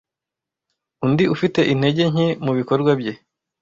undi ufite intege nke mubikorwa bye